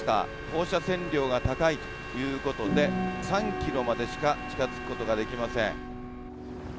放射線量が高いということで、３キロまでしか近づくことができません。